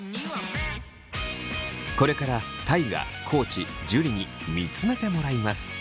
これから大我地樹に見つめてもらいます。